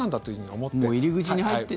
もう入り口に入って。